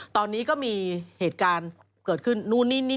ตอนนี้ก็มีเหตุการณ์เกิดขึ้น